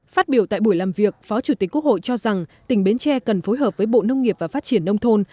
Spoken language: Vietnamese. phát biểu tại buổi làm việc phó chủ tịch quốc hội cho rằng tỉnh bến tre cần phối hợp với bộ nông nghiệp và phát triển nông thôn